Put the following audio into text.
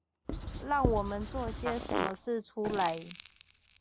讓我們做些什麼事出來